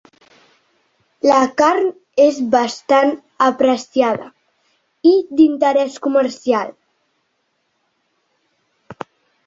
La carn és bastant apreciada i d'interès comercial.